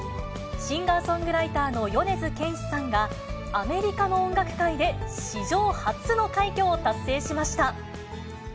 シンガーソングライターの米津玄師さんが、アメリカの音楽界で史上初の快挙を達成しました。